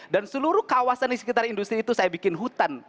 dan seluruh kawasan di sekitar industri itu saya bikin hutan